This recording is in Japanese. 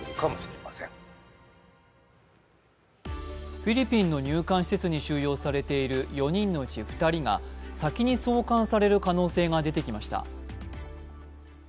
フィリピンの入管施設に収容されている４人のうち２人が先に送還される可能性が出てきました。